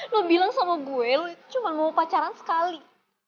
lo bilang sama gue lu cuma mau pacaran sekali